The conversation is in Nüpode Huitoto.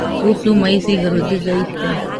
Usuma isigɨro dɨga ite